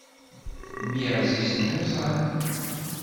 Mmi ɛzizen yuẓam.